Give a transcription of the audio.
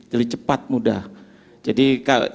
jadi cepat mudah jadi kak ustaz